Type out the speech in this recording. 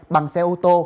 bằng xe ô tô